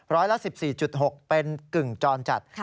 ละ๑๔๖เป็นกึ่งจรจัด